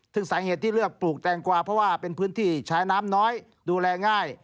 ซึ่งสาเหตุที่เลือกปลูกแตงกวาเพราะว่าเป็นพื้นที่ใช้น้ำน้อยดูแลง่าย